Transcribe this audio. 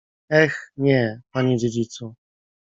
— Eh, nie, panie dziedzicu!